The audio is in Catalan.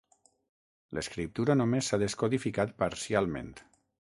L'escriptura només s'ha descodificat parcialment.